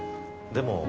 でも。